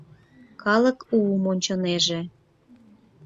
Калык уым ончынеже.